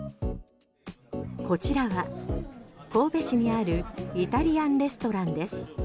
こちらは神戸市にあるイタリアンレストランです。